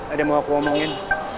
ada yang mau aku omongin